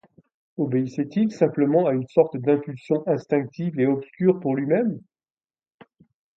Obéissait-il simplement à une sorte d'impulsion instinctive et obscure pour lui-même?